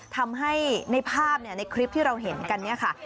ทำให้ในภาพเนี่ยในคลิปที่เราเห็นกันเนี่ยค่ะ